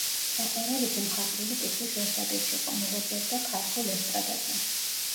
საყვარელიძე მხატვრული კითხვის ოსტატიც იყო, მოღვაწეობდა ქართულ ესტრადაზე.